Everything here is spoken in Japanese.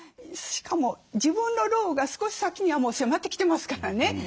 しかも自分の老後が少し先にはもう迫ってきてますからね。